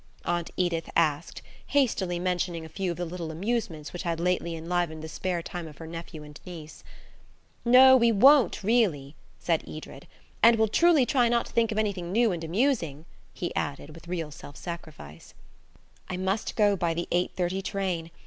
Aunt Edith asked, hastily mentioning a few of the little amusements which had lately enlivened the spare time of her nephew and niece. "No, we really won't," said Edred; "and we'll truly try not to think of anything new and amusing," he added, with real self sacrifice. "I must go by the eight thirty train.